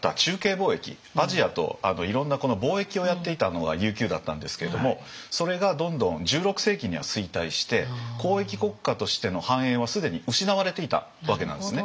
貿易アジアといろんな貿易をやっていたのが琉球だったんですけれどもそれがどんどん１６世紀には衰退して交易国家としての繁栄はすでに失われていたわけなんですね。